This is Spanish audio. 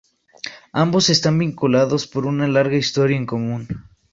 Ambos están vinculados por una larga historia en común.